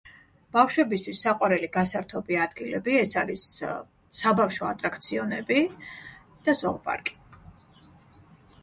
ბავშვებისთვის საყვარელი გასართობი ადგილები ეს არის საბავშვო ატრაკციონები და ზოოპარკი.